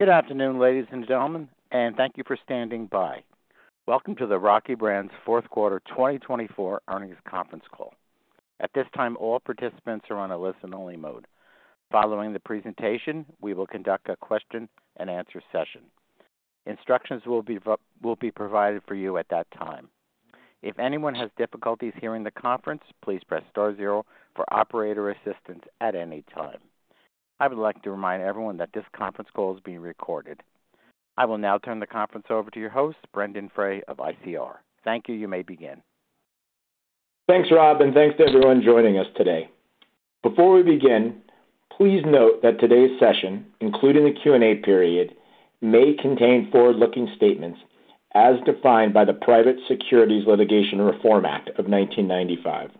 Good afternoon, ladies and gentlemen, and thank you for standing by. Welcome to the Rocky Brands Q4 2024 Earnings Conference Call. At this time, all participants are on a listen-only mode. Following the presentation, we will conduct a question-and-answer session. Instructions will be provided for you at that time. If anyone has difficulties hearing the conference, please press star zero for operator assistance at any time. I would like to remind everyone that this conference call is being recorded. I will now turn the conference over to your host, Brendon Frey of ICR. Thank you. You may begin. Thanks, Rob, and thanks to everyone joining us today. Before we begin, please note that today's session, including the Q&A period, may contain forward-looking statements as defined by the Private Securities Litigation Reform Act of 1995.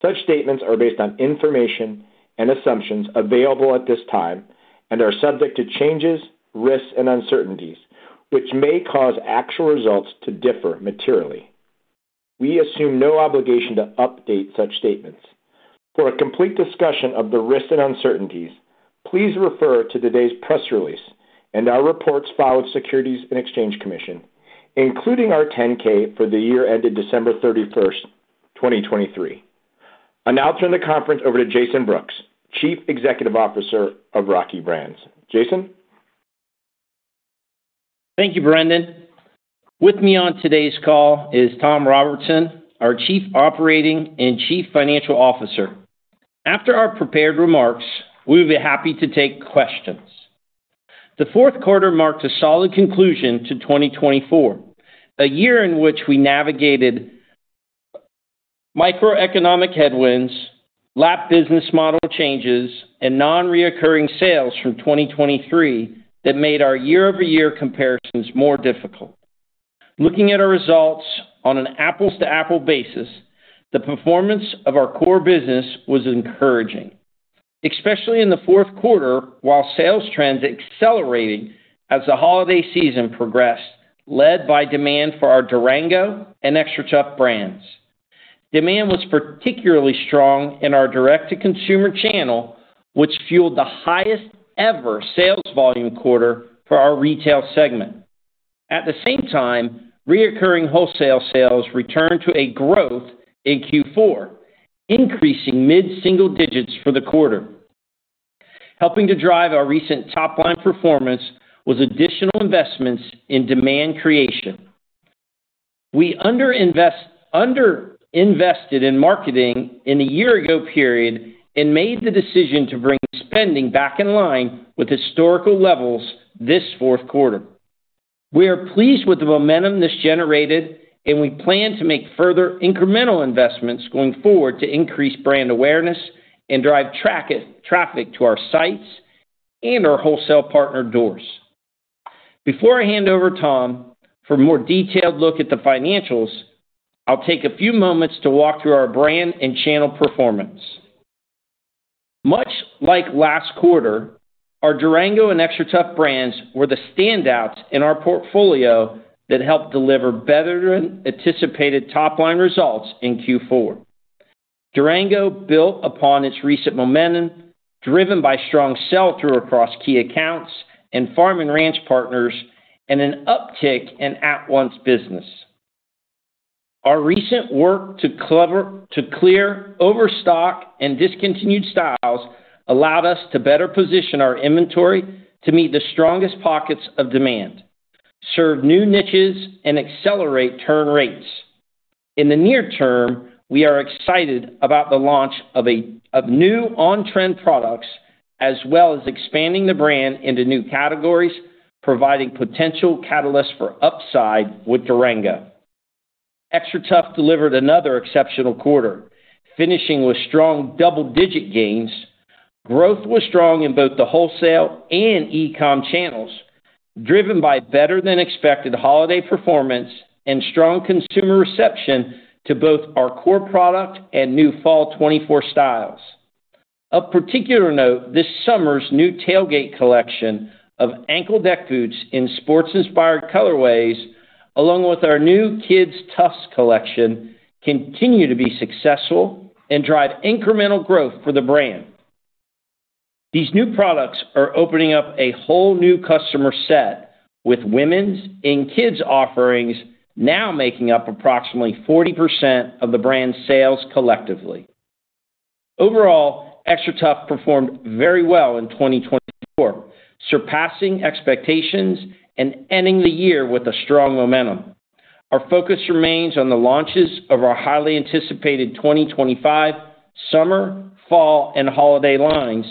Such statements are based on information and assumptions available at this time and are subject to changes, risks, and uncertainties, which may cause actual results to differ materially. We assume no obligation to update such statements. For a complete discussion of the risks and uncertainties, please refer to today's press release and our reports filed with the Securities and Exchange Commission, including our 10-K for the year ended December 31, 2023. I'll now turn the conference over to Jason Brooks, Chief Executive Officer of Rocky Brands. Jason? Thank you, Brendan. With me on today's call is Tom Robertson, our Chief Operating and Chief Financial Officer. After our prepared remarks, we will be happy to take questions. The Q4 marked a solid conclusion to 2024, a year in which we navigated microeconomic headwinds, lap business model changes, and non-recurring sales from 2023 that made our year-over-year comparisons more difficult. Looking at our results on an apples-to-apples basis, the performance of our core business was encouraging, especially in the Q4, while sales trends accelerated as the holiday season progressed, led by demand for our Durango and XTRATUF brands. Demand was particularly strong in our direct-to-consumer channel, which fueled the highest-ever sales volume quarter for our retail segment. At the same time, recurring wholesale sales returned to growth in Q4, increasing mid-single digits for the quarter. Helping to drive our recent top-line performance was additional investments in demand creation. We underinvested in marketing in the year-ago period and made the decision to bring spending back in line with historical levels this Q4. We are pleased with the momentum this generated, and we plan to make further incremental investments going forward to increase brand awareness and drive traffic to our sites and our wholesale partner doors. Before I hand over to Tom for a more detailed look at the financials, I'll take a few moments to walk through our brand and channel performance. Much like last quarter, our Durango and XTRATUF brands were the standouts in our portfolio that helped deliver better-than-anticipated top-line results in Q4. Durango built upon its recent momentum, driven by strong sell-through across key accounts and farm and ranch partners, and an uptick in at-once business. Our recent work to clear overstock and discontinued styles allowed us to better position our inventory to meet the strongest pockets of demand, serve new niches, and accelerate turn rates. In the near term, we are excited about the launch of new on-trend products, as well as expanding the brand into new categories, providing potential catalysts for upside with Durango. XTRATUF delivered another exceptional quarter, finishing with strong double-digit gains. Growth was strong in both the wholesale and e-commerce channels, driven by better-than-expected holiday performance and strong consumer reception to both our core product and new Fall 2024 styles. Of particular note, this summer's new Tailgate Collection of ankle-deck boots in sports-inspired colorways, along with our new kids' TUFS collection, continue to be successful and drive incremental growth for the brand. These new products are opening up a whole new customer set, with women's and kids' offerings now making up approximately 40% of the brand's sales collectively. Overall, XTRATUF performed very well in 2024, surpassing expectations and ending the year with a strong momentum. Our focus remains on the launches of our highly anticipated 2025 summer, fall, and holiday lines,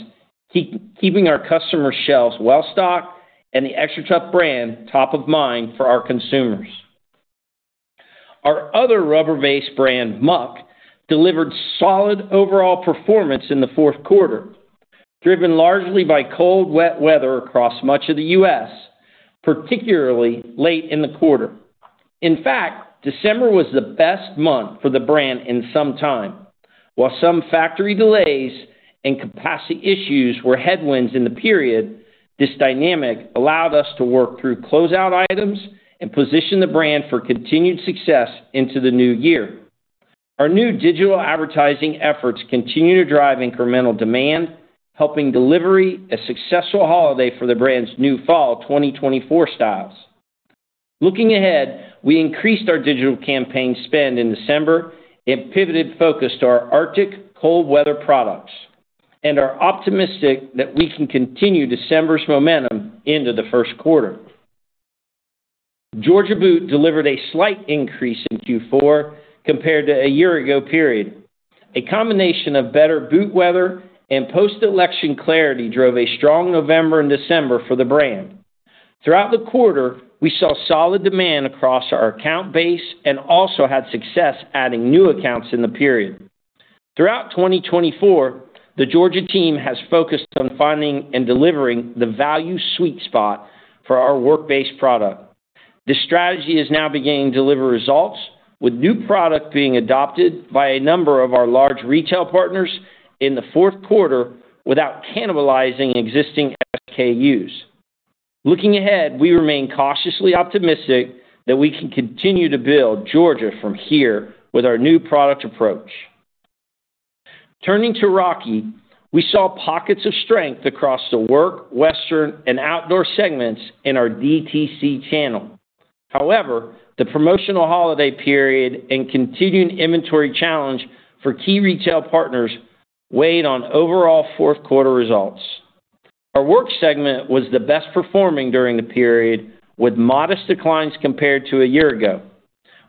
keeping our customer shelves well-stocked and the XTRATUF brand top of mind for our consumers. Our other rubber-based brand, Muck, delivered solid overall performance in the Q4, driven largely by cold, wet weather across much of the U.S., particularly late in the quarter. In fact, December was the best month for the brand in some time. While some factory delays and capacity issues were headwinds in the period, this dynamic allowed us to work through closeout items and position the brand for continued success into the new year. Our new digital advertising efforts continue to drive incremental demand, helping deliver a successful holiday for the brand's new Fall 2024 styles. Looking ahead, we increased our digital campaign spend in December and pivoted focus to our Arctic cold-weather products, and are optimistic that we can continue December's momentum into the Q1. Georgia Boot delivered a slight increase in Q4 compared to a year-ago period. A combination of better boot weather and post-election clarity drove a strong November and December for the brand. Throughout the quarter, we saw solid demand across our account base and also had success adding new accounts in the period. Throughout 2024, the Georgia team has focused on finding and delivering the value sweet spot for our work-based product. This strategy is now beginning to deliver results, with new product being adopted by a number of our large retail partners in the Q4 without cannibalizing existing SKUs. Looking ahead, we remain cautiously optimistic that we can continue to build Georgia from here with our new product approach. Turning to Rocky, we saw pockets of strength across the work, western, and outdoor segments in our DTC channel. However, the promotional holiday period and continuing inventory challenge for key retail partners weighed on overall fourth-quarter results. Our work segment was the best performing during the period, with modest declines compared to a year ago.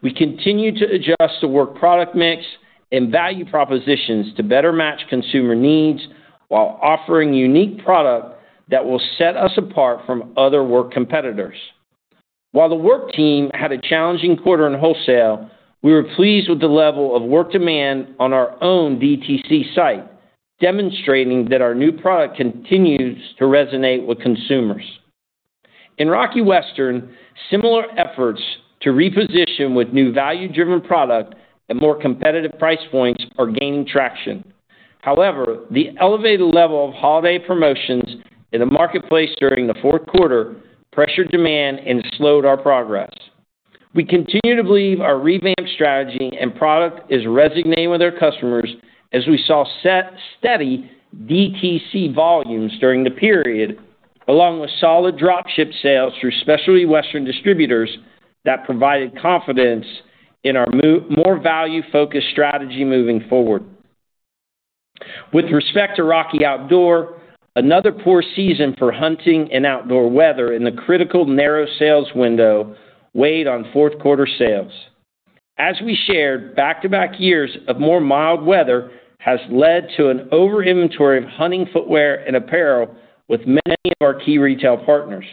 We continue to adjust the work product mix and value propositions to better match consumer needs while offering unique product that will set us apart from other work competitors. While the work team had a challenging quarter in wholesale, we were pleased with the level of work demand on our own DTC site, demonstrating that our new product continues to resonate with consumers. In Rocky Western, similar efforts to reposition with new value-driven product and more competitive price points are gaining traction. However, the elevated level of holiday promotions in the marketplace during the Q4 pressured demand and slowed our progress. We continue to believe our revamped strategy and product is resonating with our customers as we saw steady DTC volumes during the period, along with solid dropship sales through specialty western distributors that provided confidence in our more value-focused strategy moving forward. With respect to Rocky Outdoor, another poor season for hunting and outdoor weather in the critical narrow sales window weighed on fourth-quarter sales. As we shared, back-to-back years of more mild weather has led to an over-inventory of hunting footwear and apparel with many of our key retail partners.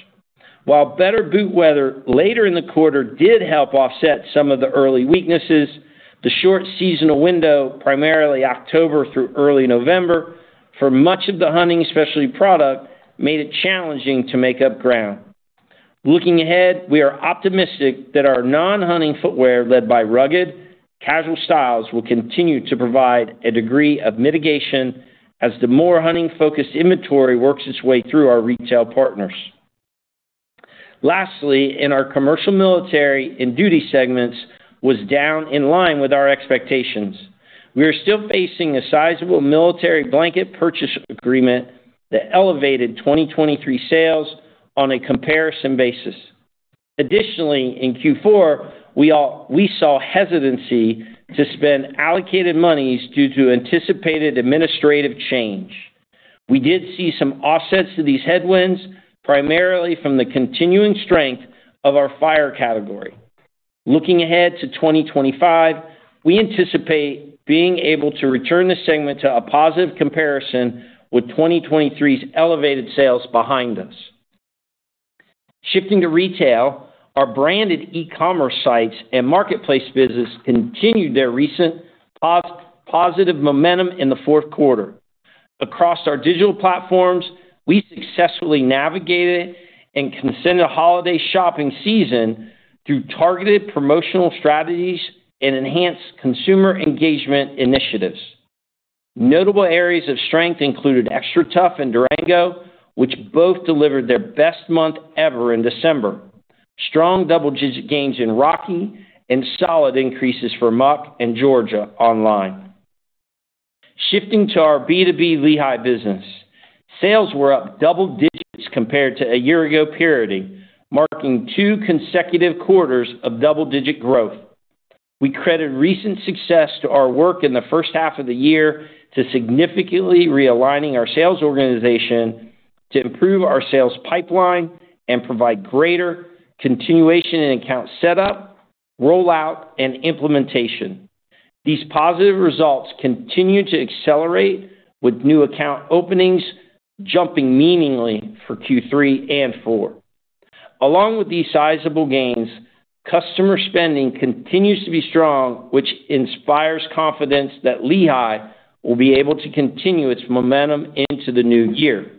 While better boot weather later in the quarter did help offset some of the early weaknesses, the short seasonal window, primarily October through early November, for much of the hunting specialty product made it challenging to make up ground. Looking ahead, we are optimistic that our non-hunting footwear led by rugged, casual styles will continue to provide a degree of mitigation as the more hunting-focused inventory works its way through our retail partners. Lastly, in our commercial military and duty segments, was down in line with our expectations. We are still facing a sizable military blanket purchase agreement that elevated 2023 sales on a comparison basis. Additionally, in Q4, we saw hesitancy to spend allocated monies due to anticipated administrative change. We did see some offsets to these headwinds, primarily from the continuing strength of our fire category. Looking ahead to 2025, we anticipate being able to return the segment to a positive comparison with 2023's elevated sales behind us. Shifting to retail, our branded e-commerce sites and marketplace business continued their recent positive momentum in the Q4. Across our digital platforms, we successfully navigated and consented a holiday shopping season through targeted promotional strategies and enhanced consumer engagement initiatives. Notable areas of strength included XTRATUF and Durango, which both delivered their best month ever in December, strong double-digit gains in Rocky, and solid increases for Muck and Georgia online. Shifting to our B2B Lehigh business, sales were up double digits compared to a year-ago period, marking two consecutive quarters of double-digit growth. We credit recent success to our work in the first half of the year to significantly realigning our sales organization to improve our sales pipeline and provide greater continuation in account setup, rollout, and implementation. These positive results continue to accelerate with new account openings jumping meaningfully for Q3 and Q4. Along with these sizable gains, customer spending continues to be strong, which inspires confidence that Lehigh will be able to continue its momentum into the new year.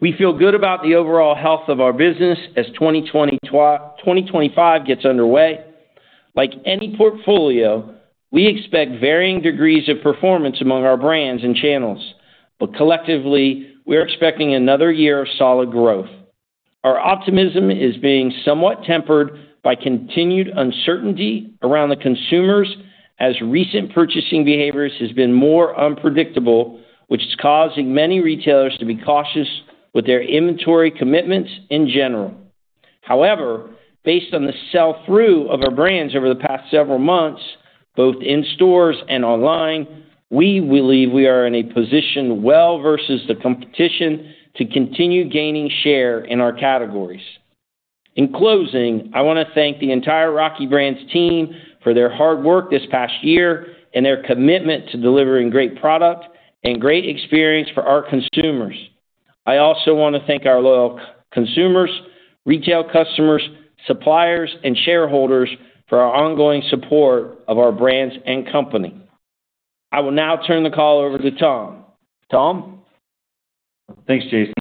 We feel good about the overall health of our business as 2025 gets underway. Like any portfolio, we expect varying degrees of performance among our brands and channels, but collectively, we are expecting another year of solid growth. Our optimism is being somewhat tempered by continued uncertainty around the consumers as recent purchasing behaviors have been more unpredictable, which is causing many retailers to be cautious with their inventory commitments in general. However, based on the sell-through of our brands over the past several months, both in stores and online, we believe we are in a position well versus the competition to continue gaining share in our categories. In closing, I want to thank the entire Rocky Brands team for their hard work this past year and their commitment to delivering great product and great experience for our consumers. I also want to thank our loyal consumers, retail customers, suppliers, and shareholders for our ongoing support of our brands and company. I will now turn the call over to Tom. Tom? Thanks, Jason.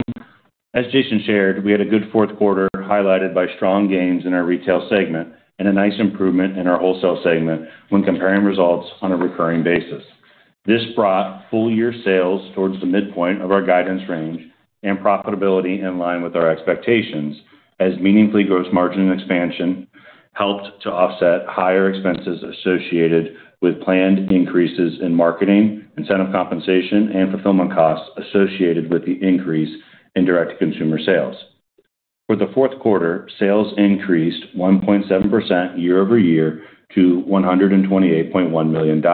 As Jason shared, we had a good Q4 highlighted by strong gains in our retail segment and a nice improvement in our wholesale segment when comparing results on a recurring basis. This brought full-year sales towards the midpoint of our guidance range and profitability in line with our expectations as meaningfully gross margin expansion helped to offset higher expenses associated with planned increases in marketing, incentive compensation, and fulfillment costs associated with the increase in direct-to-consumer sales. For the Q4, sales increased 1.7% year over year to $128.1 million,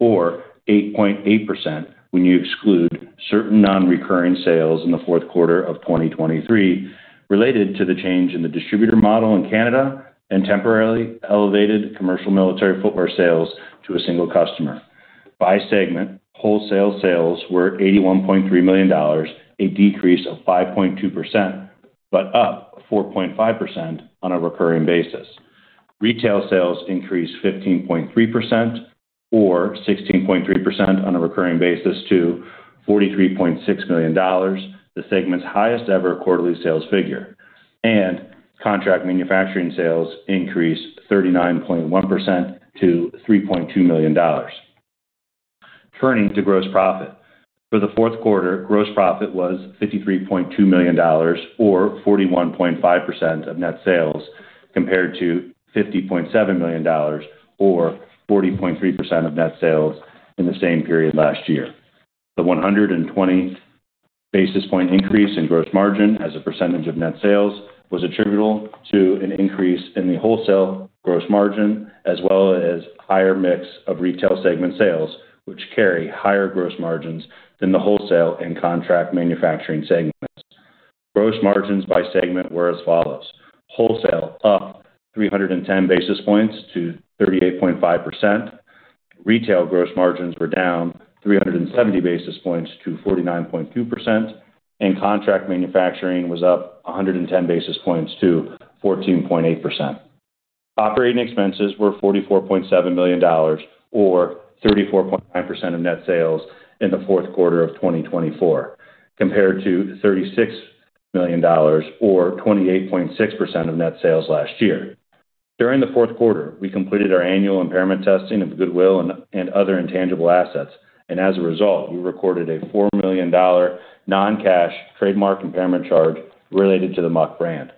or 8.8% when you exclude certain non-recurring sales in the Q4 of 2023 related to the change in the distributor model in Canada and temporarily elevated commercial military footwear sales to a single customer. By segment, wholesale sales were $81.3 million, a decrease of 5.2%, but up 4.5% on a recurring basis. Retail sales increased 15.3%, or 16.3% on a recurring basis to $43.6 million, the segment's highest-ever quarterly sales figure. Contract manufacturing sales increased 39.1% to $3.2 million. Turning to gross profit. For the Q4, gross profit was $53.2 million, or 41.5% of net sales, compared to $50.7 million, or 40.3% of net sales in the same period last year. The 120 basis point increase in gross margin as a percentage of net sales was attributable to an increase in the wholesale gross margin as well as higher mix of retail segment sales, which carry higher gross margins than the wholesale and contract manufacturing segments. Gross margins by segment were as follows. Wholesale up 310 basis points to 38.5%. Retail gross margins were down 370 basis points to 49.2%, and contract manufacturing was up 110 basis points to 14.8%. Operating expenses were $44.7 million, or 34.9% of net sales in the Q4 of 2024, compared to $36 million, or 28.6% of net sales last year. During the Q4, we completed our annual impairment testing of goodwill and other intangible assets, and as a result, we recorded a $4 million non-cash trademark impairment charge related to the Muck brand.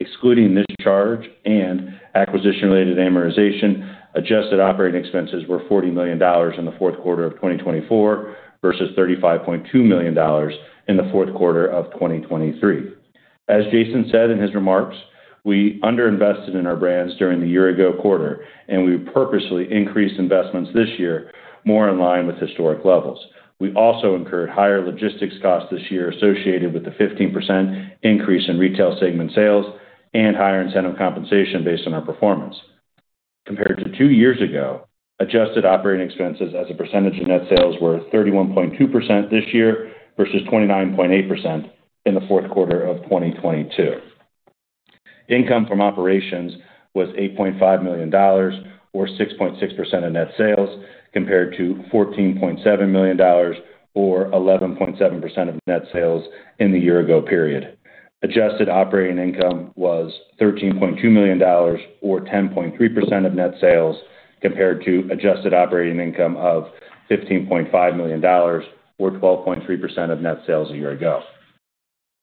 Excluding this charge and acquisition-related amortization, adjusted operating expenses were $40 million in the Q4 of 2024 versus $35.2 million in the Q4 of 2023. As Jason said in his remarks, we underinvested in our brands during the year-ago quarter, and we purposely increased investments this year more in line with historic levels. We also incurred higher logistics costs this year associated with the 15% increase in retail segment sales and higher incentive compensation based on our performance. Compared to two years ago, adjusted operating expenses as a percentage of net sales were 31.2% this year versus 29.8% in the Q4 of 2022. Income from operations was $8.5 million, or 6.6% of net sales, compared to $14.7 million, or 11.7% of net sales in the year-ago period. Adjusted operating income was $13.2 million, or 10.3% of net sales, compared to adjusted operating income of $15.5 million, or 12.3% of net sales a year ago.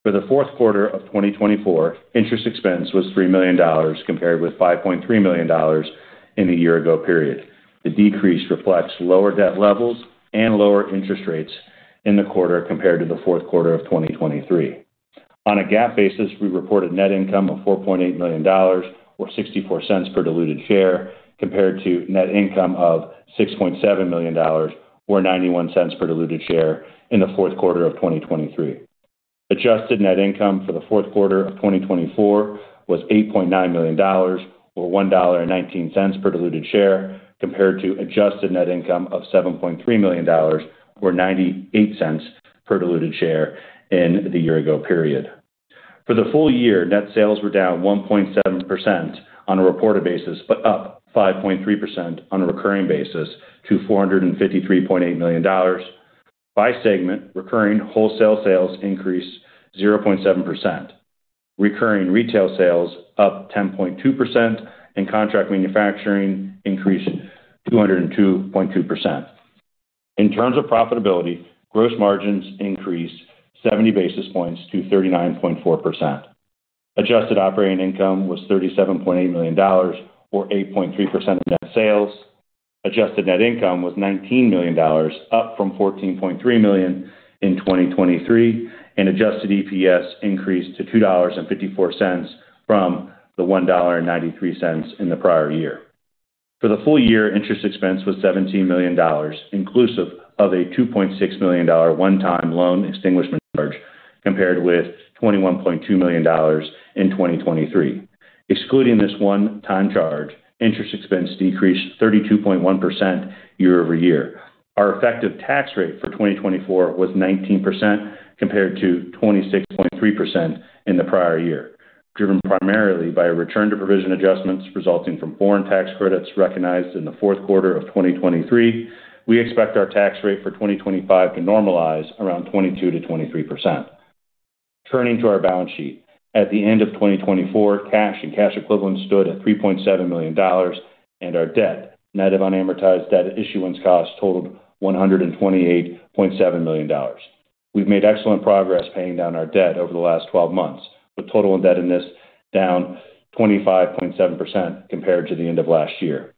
For the Q4 of 2024, interest expense was $3 million, compared with $5.3 million in the year-ago period. The decrease reflects lower debt levels and lower interest rates in the quarter compared to the Q4 of 2023. On a GAAP basis, we reported net income of $4.8 million, or $0.64 per diluted share, compared to net income of $6.7 million, or $0.91 per diluted share in the Q4 of 2023. Adjusted net income for the Q4 of 2024 was $8.9 million, or $1.19 per diluted share, compared to adjusted net income of $7.3 million, or $0.98 per diluted share in the year-ago period. For the full year, net sales were down 1.7% on a reported basis, but up 5.3% on a recurring basis to $453.8 million. By segment, recurring wholesale sales increased 0.7%. Recurring retail sales up 10.2%, and contract manufacturing increased 202.2%. In terms of profitability, gross margins increased 70 basis points to 39.4%. Adjusted operating income was $37.8 million, or 8.3% of net sales. Adjusted net income was $19 million, up from $14.3 million in 2023, and adjusted EPS increased to $2.54 from the $1.93 in the prior year. For the full year, interest expense was $17 million, inclusive of a $2.6 million one-time loan extinguishment charge, compared with $21.2 million in 2023. Excluding this one-time charge, interest expense decreased 32.1% year over year. Our effective tax rate for 2024 was 19%, compared to 26.3% in the prior year. Driven primarily by return-to-provision adjustments resulting from foreign tax credits recognized in the Q4 of 2023, we expect our tax rate for 2025 to normalize around 22-23%. Turning to our balance sheet, at the end of 2024, cash and cash equivalents stood at $3.7 million, and our debt, net of unamortized debt issuance cost, totaled $128.7 million. We've made excellent progress paying down our debt over the last 12 months, with total indebtedness down 25.7% compared to the end of last year.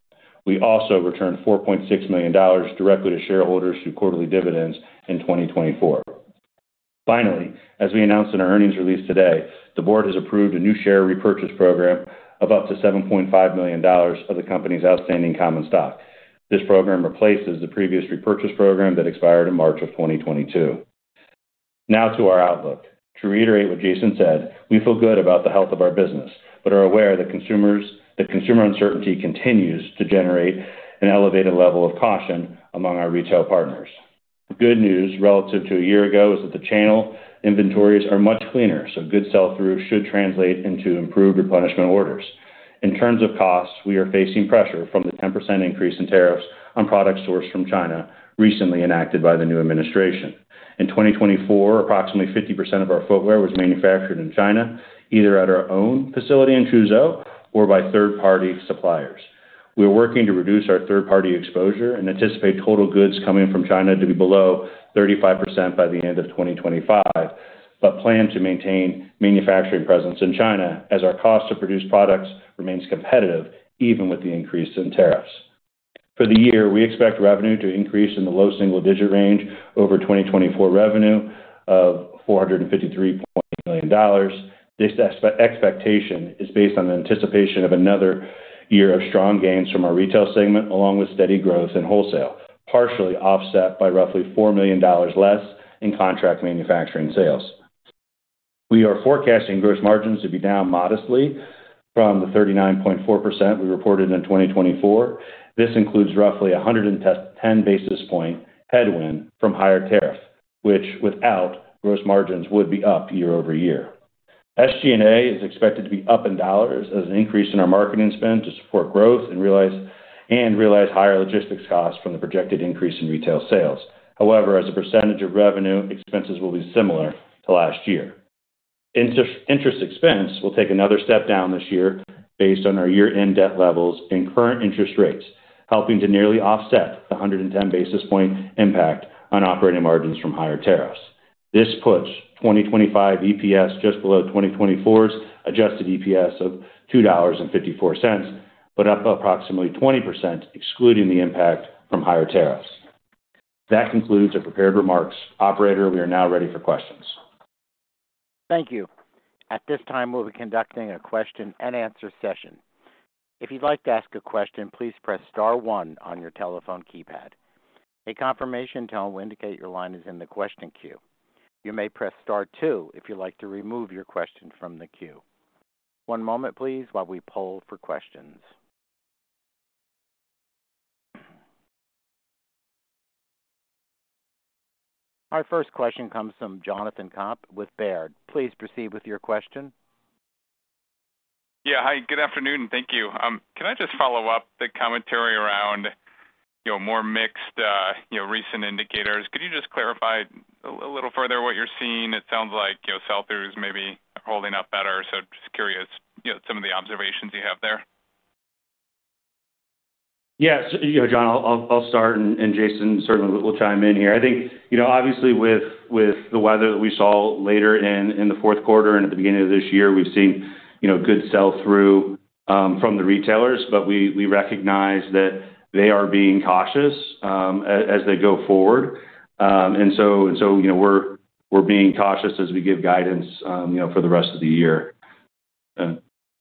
We also returned $4.6 million directly to shareholders through quarterly dividends in 2024. Finally, as we announced in our earnings release today, the board has approved a new share repurchase program of up to $7.5 million of the company's outstanding common stock. This program replaces the previous repurchase program that expired in March of 2022. Now to our outlook. To reiterate what Jason said, we feel good about the health of our business, but are aware that consumer uncertainty continues to generate an elevated level of caution among our retail partners. The good news relative to a year ago is that the channel inventories are much cleaner, so good sell-through should translate into improved replenishment orders. In terms of costs, we are facing pressure from the 10% increase in tariffs on products sourced from China recently enacted by the new administration. In 2024, approximately 50% of our footwear was manufactured in China, either at our own facility in Chuzhou or by third-party suppliers. We are working to reduce our third-party exposure and anticipate total goods coming from China to be below 35% by the end of 2025, but plan to maintain manufacturing presence in China as our cost to produce products remains competitive even with the increase in tariffs. For the year, we expect revenue to increase in the low single-digit range over 2024 revenue of $453.8 million. This expectation is based on the anticipation of another year of strong gains from our retail segment, along with steady growth in wholesale, partially offset by roughly $4 million less in contract manufacturing sales. We are forecasting gross margins to be down modestly from the 39.4% we reported in 2024. This includes roughly a 110 basis point headwind from higher tariff, which without gross margins would be up year over year. SG&A is expected to be up in dollars as an increase in our marketing spend to support growth and realize higher logistics costs from the projected increase in retail sales. However, as a percentage of revenue, expenses will be similar to last year. Interest expense will take another step down this year based on our year-end debt levels and current interest rates, helping to nearly offset the 110 basis point impact on operating margins from higher tariffs. This puts 2025 EPS just below 2024's adjusted EPS of $2.54, but up approximately 20%, excluding the impact from higher tariffs. That concludes our prepared remarks. Operator, we are now ready for questions. Thank you. At this time, we'll be conducting a question-and-answer session. If you'd like to ask a question, please press Star 1 on your telephone keypad. A confirmation tone will indicate your line is in the question queue. You may press Star 2 if you'd like to remove your question from the queue. One moment, please, while we poll for questions. Our first question comes from Jonathan Komp with Baird. Please proceed with your question. Yeah. Hi. Good afternoon. Thank you. Can I just follow up the commentary around more mixed recent indicators? Could you just clarify a little further what you're seeing? It sounds like sell-through is maybe holding up better, so just curious some of the observations you have there. Yes. Jon, I'll start, and Jason certainly will chime in here. I think, obviously, with the weather that we saw later in the Q4 and at the beginning of this year, we've seen good sell-through from the retailers, but we recognize that they are being cautious as they go forward. We are being cautious as we give guidance for the rest of the year. Jason,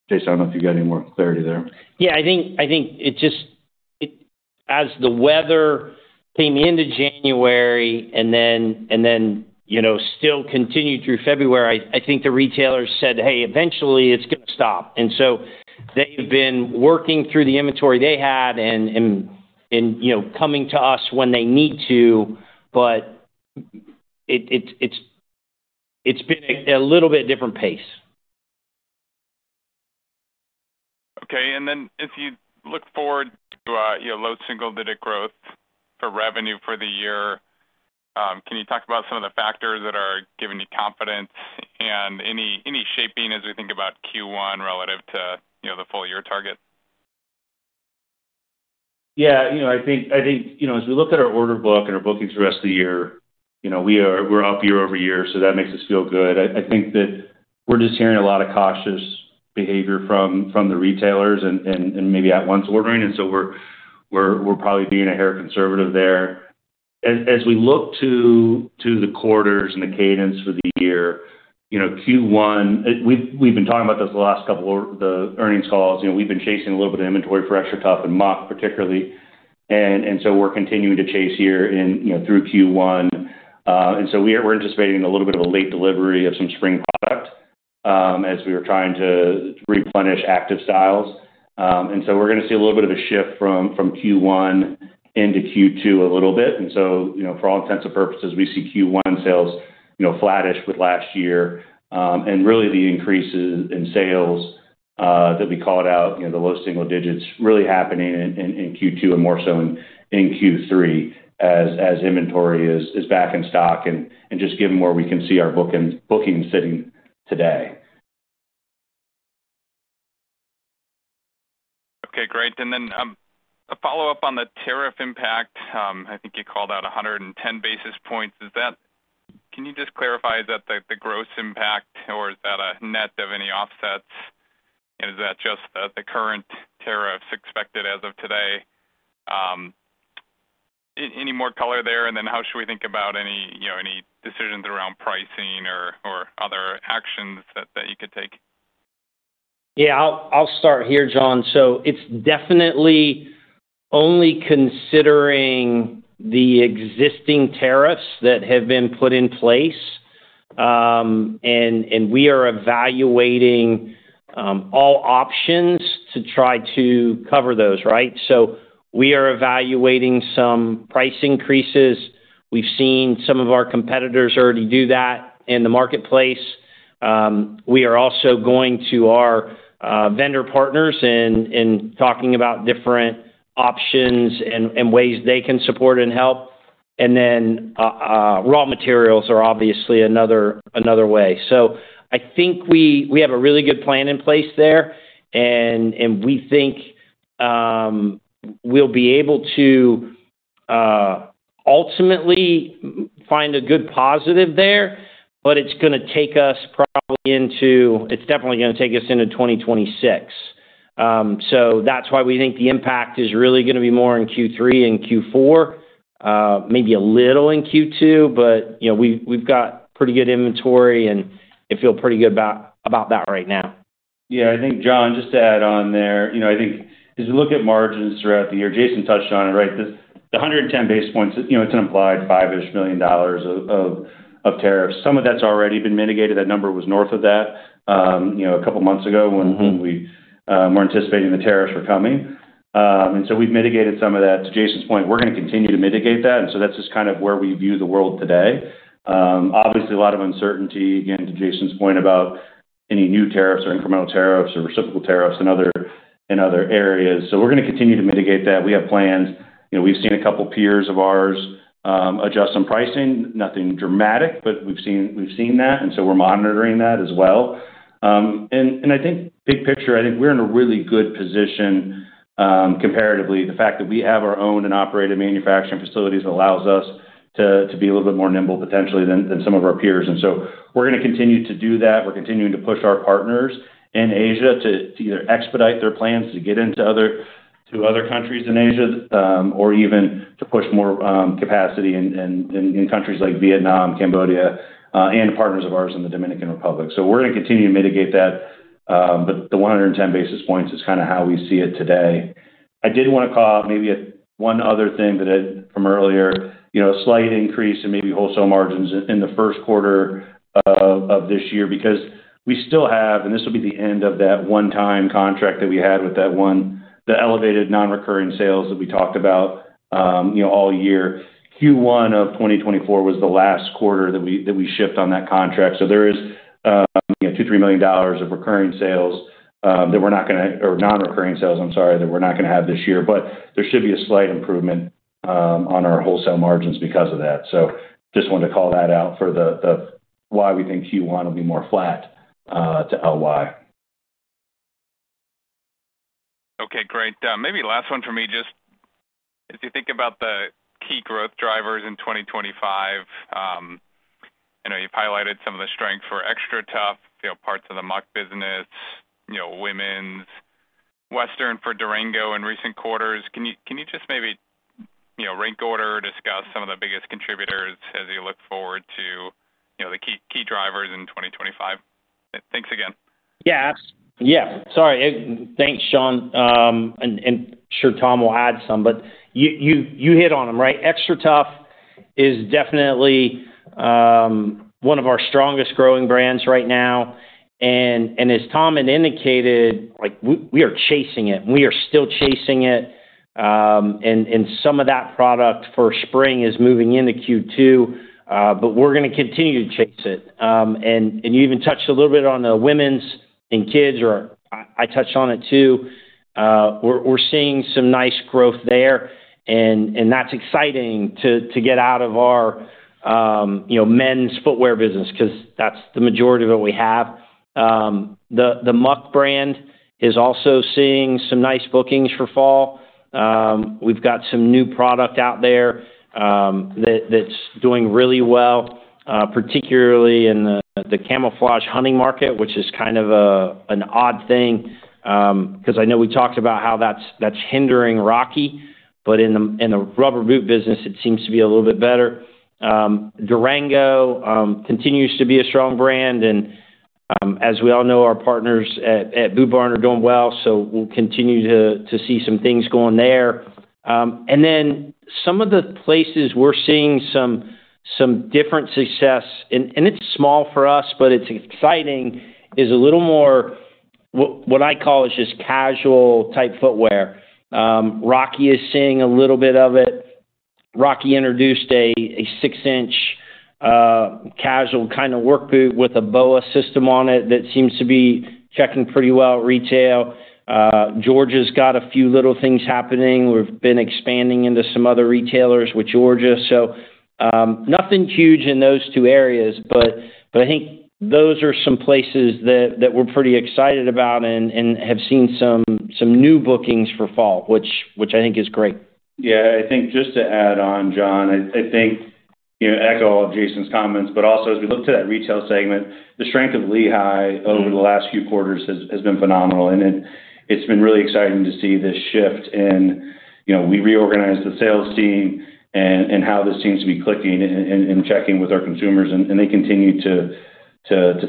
I don't know if you've got any more clarity there. Yeah. I think as the weather came into January and then still continued through February, I think the retailers said, "Hey, eventually, it's going to stop." They have been working through the inventory they had and coming to us when they need to, but it's been a little bit different pace. Okay. If you look forward to low single-digit growth for revenue for the year, can you talk about some of the factors that are giving you confidence and any shaping as we think about Q1 relative to the full-year target? Yeah. I think as we look at our order book and our bookings for the rest of the year, we're up year over year, so that makes us feel good. I think that we're just hearing a lot of cautious behavior from the retailers and maybe at-once ordering, and so we're probably being a hair conservative there. As we look to the quarters and the cadence for the year, Q1, we've been talking about this the last couple of earnings calls. We've been chasing a little bit of inventory for XTRATUF and Muck, particularly, and so we're continuing to chase here through Q1. We are anticipating a little bit of a late delivery of some spring product as we were trying to replenish active styles. We are going to see a little bit of a shift from Q1 into Q2 a little bit. For all intents and purposes, we see Q1 sales flattish with last year. Really, the increases in sales that we called out, the low single digits, are really happening in Q2 and more so in Q3 as inventory is back in stock and just given where we can see our booking sitting today. Okay. Great. A follow-up on the tariff impact. I think you called out 110 basis points. Can you just clarify? Is that the gross impact, or is that a net of any offsets? Is that just the current tariffs expected as of today? Any more color there? How should we think about any decisions around pricing or other actions that you could take? Yeah. I'll start here, Jon. It's definitely only considering the existing tariffs that have been put in place, and we are evaluating all options to try to cover those, right? We are evaluating some price increases. We've seen some of our competitors already do that in the marketplace. We are also going to our vendor partners and talking about different options and ways they can support and help. Raw materials are obviously another way. I think we have a really good plan in place there, and we think we'll be able to ultimately find a good positive there, but it's going to take us probably into—it is definitely going to take us into 2026. That is why we think the impact is really going to be more in Q3 and Q4, maybe a little in Q2, but we've got pretty good inventory, and I feel pretty good about that right now. Yeah. I think, Jon, just to add on there, I think as we look at margins throughout the year, Jason touched on it, right? The 110 basis points, it's an implied five-ish million dollars of tariffs. Some of that's already been mitigated. That number was north of that a couple of months ago when we were anticipating the tariffs were coming. We have mitigated some of that. To Jason's point, we're going to continue to mitigate that. That is just kind of where we view the world today. Obviously, a lot of uncertainty, again, to Jason's point about any new tariffs or incremental tariffs or reciprocal tariffs in other areas. We are going to continue to mitigate that. We have plans. We have seen a couple of peers of ours adjust some pricing. Nothing dramatic, but we have seen that, and we are monitoring that as well. I think big picture, I think we are in a really good position comparatively. The fact that we have our own and operated manufacturing facilities allows us to be a little bit more nimble potentially than some of our peers. We are going to continue to do that. We are continuing to push our partners in Asia to either expedite their plans to get into other countries in Asia or even to push more capacity in countries like Vietnam, Cambodia, and partners of ours in the Dominican Republic. We are going to continue to mitigate that, but the 110 basis points is kind of how we see it today. I did want to call out maybe one other thing from earlier, a slight increase in maybe wholesale margins in the Q1 of this year because we still have—and this will be the end of that one-time contract that we had with that one—the elevated non-recurring sales that we talked about all year. Q1 of 2024 was the last quarter that we shipped on that contract. There is $2-3 million of non-recurring sales, I'm sorry, that we're not going to have this year, but there should be a slight improvement on our wholesale margins because of that. I just wanted to call that out for why we think Q1 will be more flat to LY. Okay. Great. Maybe last one for me. Just as you think about the key growth drivers in 2025, I know you've highlighted some of the strengths for XTRATUF, parts of the Muck business, women's, Western for Durango in recent quarters. Can you just maybe rank order, discuss some of the biggest contributors as you look forward to the key drivers in 2025? Thanks again. Yeah. Yeah. Sorry. Thanks, Jon. Sure, Tom will add some, but you hit on them, right? XTRATUF is definitely one of our strongest growing brands right now. As Tom had indicated, we are chasing it, and we are still chasing it. Some of that product for spring is moving into Q2, but we are going to continue to chase it. You even touched a little bit on the women's and kids, or I touched on it too. We are seeing some nice growth there, and that is exciting to get out of our men's footwear business because that is the majority of what we have. The Muck brand is also seeing some nice bookings for fall. We've got some new product out there that's doing really well, particularly in the camouflage hunting market, which is kind of an odd thing because I know we talked about how that's hindering Rocky, but in the rubber boot business, it seems to be a little bit better. Durango continues to be a strong brand, and as we all know, our partners at Boot Barn are doing well, so we'll continue to see some things going there. Some of the places we're seeing some different success, and it's small for us, but it's exciting, is a little more what I call is just casual-type footwear. Rocky is seeing a little bit of it. Rocky introduced a 6-inch casual kind of work boot with a BOA system on it that seems to be checking pretty well at retail. Georgia's got a few little things happening. We've been expanding into some other retailers with Georgia. Nothing huge in those two areas, but I think those are some places that we're pretty excited about and have seen some new bookings for fall, which I think is great. I think just to add on, Jon, I echo all of Jason's comments, but also as we look to that retail segment, the strength of Lehigh over the last few quarters has been phenomenal, and it's been really exciting to see this shift in we reorganized the sales team and how this seems to be clicking and checking with our consumers, and they continue to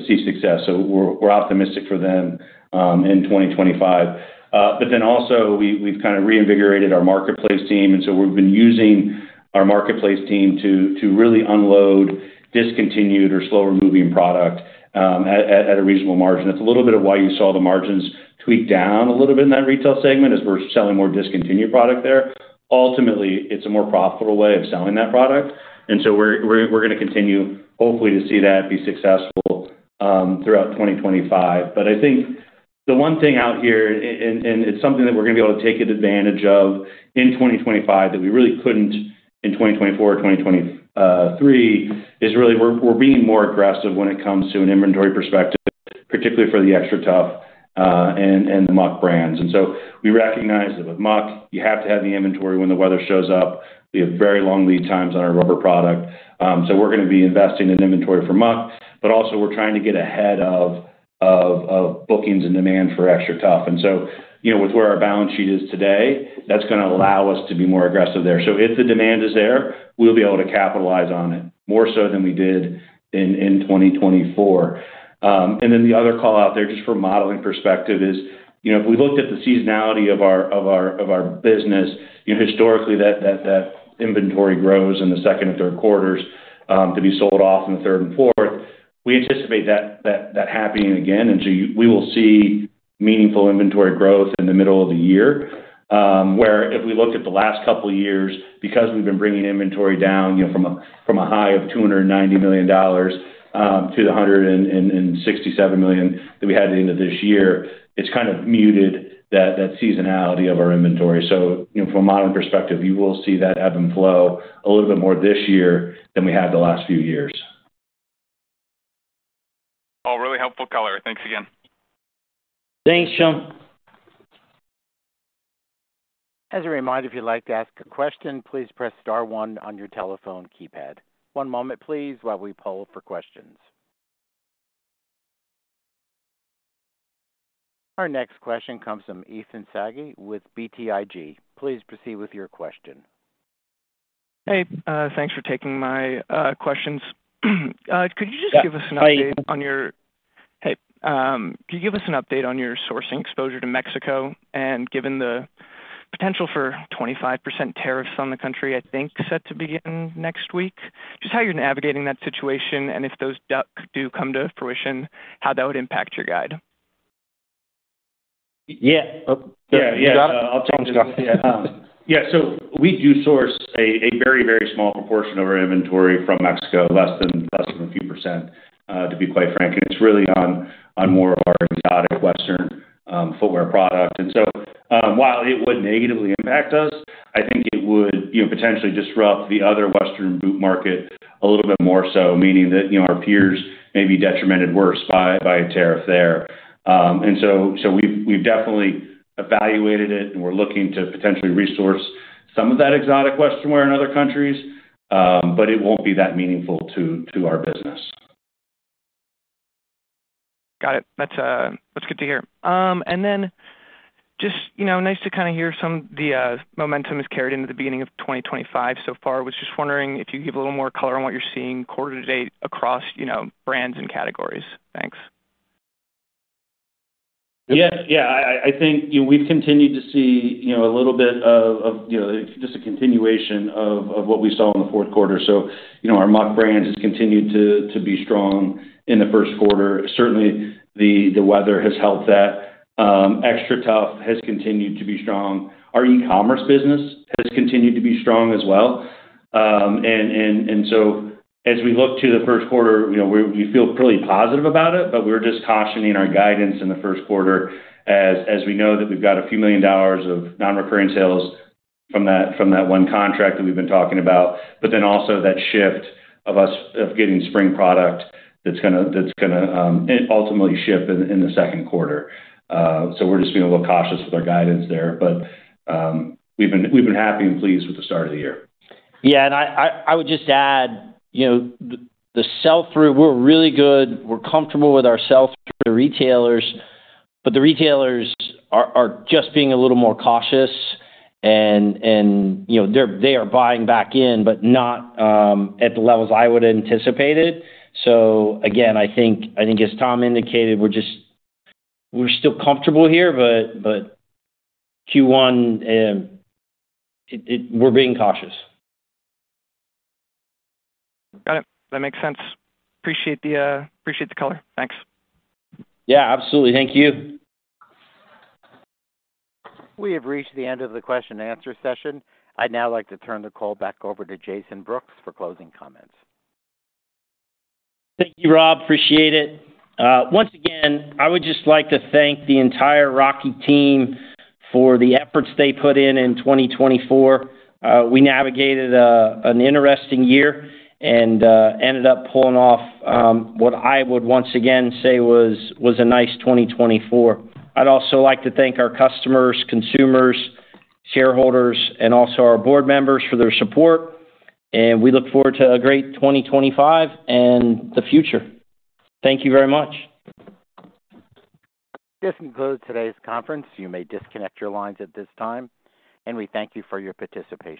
see success. We are optimistic for them in 2025. We have kind of reinvigorated our marketplace team, and we have been using our marketplace team to really unload discontinued or slower-moving product at a reasonable margin. That's a little bit of why you saw the margins tweak down a little bit in that retail segment as we're selling more discontinued product there. Ultimately, it's a more profitable way of selling that product, and we're going to continue hopefully to see that be successful throughout 2025. I think the one thing out here, and it's something that we're going to be able to take advantage of in 2025 that we really couldn't in 2024 or 2023, is really we're being more aggressive when it comes to an inventory perspective, particularly for the XTRATUF and the Muck brands. We recognize that with Muck, you have to have the inventory when the weather shows up. We have very long lead times on our rubber product. We're going to be investing in inventory for Muck, but also we're trying to get ahead of bookings and demand for XTRATUF. With where our balance sheet is today, that's going to allow us to be more aggressive there. If the demand is there, we'll be able to capitalize on it more so than we did in 2024. The other call out there, just from a modeling perspective, is if we looked at the seasonality of our business, historically, that inventory grows in the second and Q3s to be sold off in the third and fourth. We anticipate that happening again, and we will see meaningful inventory growth in the middle of the year where if we look at the last couple of years, because we have been bringing inventory down from a high of $290 million to the $167 million that we had at the end of this year, it has kind of muted that seasonality of our inventory. From a modeling perspective, you will see that ebb and flow a little bit more this year than we had the last few years. All really helpful color. Thanks again. Thanks, Jon. As a reminder, if you would like to ask a question, please press star one on your telephone keypad. One moment, please, while we poll for questions. Our next question comes from Ethan Saghi with BTIG. Please proceed with your question. Hey. Thanks for taking my questions. Could you just give us an update on your—Hey. Could you give us an update on your sourcing exposure to Mexico and given the potential for 25% tariffs on the country, I think, set to begin next week? Just how you're navigating that situation and if those do come to fruition, how that would impact your guide. Yeah. I'll change it off. Yeah. We do source a very, very small proportion of our inventory from Mexico, less than a few percent, to be quite frank. It is really on more of our exotic Western footwear product. While it would negatively impact us, I think it would potentially disrupt the other Western boot market a little bit more so, meaning that our peers may be detrimented worse by a tariff there. We've definitely evaluated it, and we're looking to potentially resource some of that exotic western wear in other countries, but it won't be that meaningful to our business. Got it. That's good to hear. It's nice to kind of hear some of the momentum has carried into the beginning of 2025 so far. I was just wondering if you could give a little more color on what you're seeing quarter to date across brands and categories. Thanks. Yeah. I think we've continued to see a little bit of just a continuation of what we saw in the Q4. Our Muck brand has continued to be strong in the Q1. Certainly, the weather has helped that. XTRATUF has continued to be strong. Our e-commerce business has continued to be strong as well. As we look to the Q1, we feel pretty positive about it, but we're just cautioning our guidance in the Q1 as we know that we've got a few million dollars of non-recurring sales from that one contract that we've been talking about, but also that shift of us getting spring product that's going to ultimately ship in the Q2. We're just being a little cautious with our guidance there, but we've been happy and pleased with the start of the year. Yeah. I would just add the sell-through, we're really good. We're comfortable with our sell-through to retailers, but the retailers are just being a little more cautious, and they are buying back in, but not at the levels I would anticipate it. I think as Tom indicated, we're still comfortable here, but Q1, we're being cautious. Got it. That makes sense. Appreciate the color. Thanks. Yeah. Absolutely. Thank you. We have reached the end of the question-and-answer session. I'd now like to turn the call back over to Jason Brooks for closing comments. Thank you, Rob. Appreciate it. Once again, I would just like to thank the entire Rocky team for the efforts they put in in 2024. We navigated an interesting year and ended up pulling off what I would once again say was a nice 2024. I'd also like to thank our customers, consumers, shareholders, and also our board members for their support, and we look forward to a great 2025 and the future. Thank you very much. This concludes today's conference. You may disconnect your lines at this time, and we thank you for your participation.